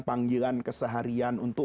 panggilan keseharian untuk